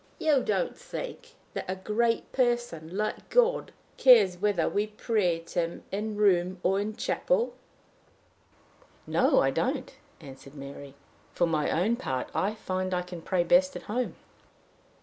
You don't think, miss, that a great person like God cares whether we pray to him in a room or in a church?" "No, I don't," answered Mary. "For my own part, I find I can pray best at home."